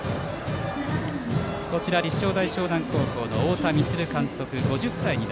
立正大淞南高校の太田充監督、５０歳。